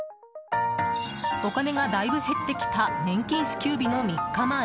お金がだいぶ減ってきた年金支給日の３日前。